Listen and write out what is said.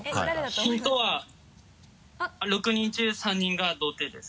ヒントは６人中３人が童貞です。